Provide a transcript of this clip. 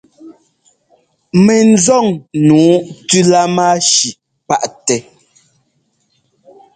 Mɛnzɔn nǔu tú lámáshi páʼtɛ́.